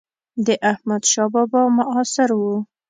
د احمدشاه بابا معاصر و.